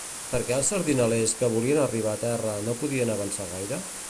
Per què els sardinalers que volien arribar a terra no podien avançar gaire?